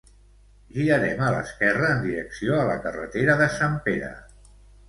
girarem a l'esquerra en direcció a la carretera de Sant Pere